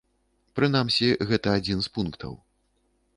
Прынамсі, гэта адзін з пунктаў.